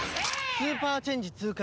スーパーチェンジ痛快。